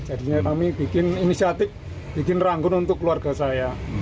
jadinya kami bikin inisiatif bikin ranggun untuk keluarga saya